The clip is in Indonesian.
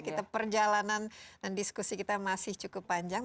kita perjalanan dan diskusi kita masih cukup panjang